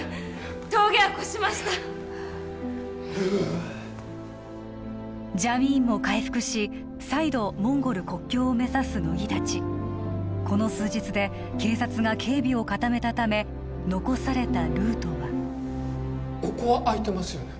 峠は越しましたジャミーンも回復し再度モンゴル国境を目指す乃木達この数日で警察が警備を固めたため残されたルートはここは空いてますよね